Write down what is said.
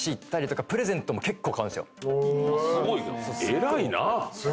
偉いなぁ！